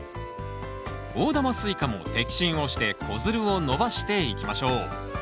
大玉スイカも摘心をして子づるを伸ばしていきましょう。